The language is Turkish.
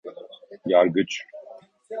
Yargıç?